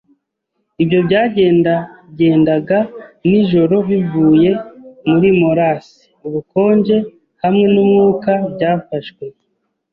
ibyo byagendagendaga nijoro bivuye muri morass. Ubukonje hamwe numwuka byafashwe